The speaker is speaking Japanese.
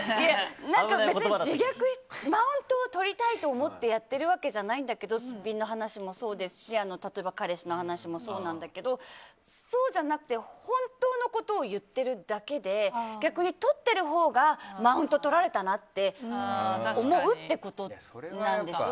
別にマウントを取りたいと思ってやってるわけじゃないんだけどすっぴんの話もそうですし例えば、彼氏の話もそうだけどそうじゃなくて本当のことを言っているだけで逆に取ってるほうがマウントとられたなって思うってことなんでしょ。